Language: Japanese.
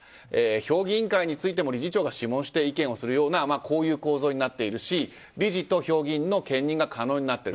評議員会についても理事長が諮問して意見するというこういう構造になっているし理事と評議員の兼任が可能になっている。